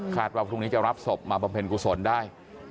ค่ะวันภูมินี้จะรับสบมาพัมเพร่งกุศลได้